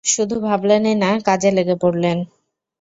শুধু ভাবলেনই না, কাজে লেগে পড়লেন।